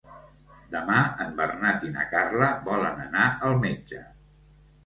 Demà en Bernat i na Carla volen anar al metge.